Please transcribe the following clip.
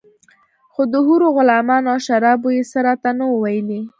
خو د حورو غلمانو او شرابو يې څه راته نه وو ويلي.